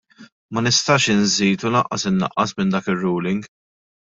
Ma nistax inżid u lanqas innaqqas minn dak ir-ruling.